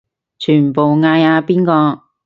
全部嗌阿邊個